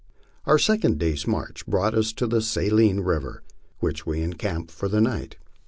Our second day's march brought us to the Saline river, where we encamped for the night.